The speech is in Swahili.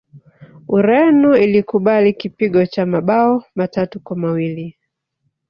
ureno ilikubali kipigo cha mabao matatu kwa mawili